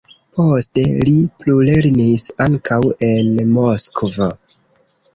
Poste li plulernis ankaŭ en Moskvo.